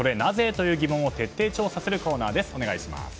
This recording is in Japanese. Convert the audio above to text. という身近な疑問を徹底調査するコーナーです。